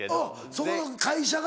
そこの会社が？